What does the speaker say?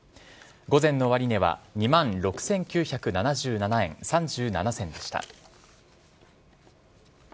午前の終値は２万６９７７円３７銭でした。